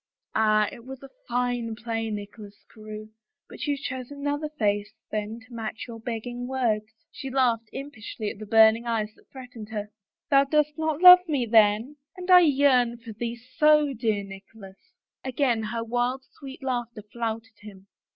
Ah, it was fine play, Nicholas Carewe — but you chose another face then to match your begging words." She laughed impishly at the burning eyes that threatened her. " Thou dost not love me, then ? And I yearn for thee so, dear Nicholas !" Again her wild, sweet laughter flouted him.